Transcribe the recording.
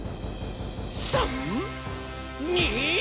「３！２！」